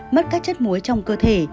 mất các chất muối trong cơ thể